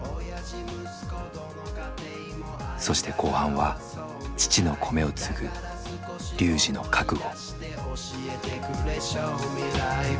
そして後半は父の米を継ぐＲＹＵＪＩの覚悟。